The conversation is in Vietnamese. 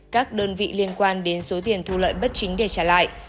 các đơn vị liên quan đến số tiền thu lợi bất chính để trả lại